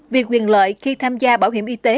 việc quyền lợi khi tham gia bảo hiểm y tế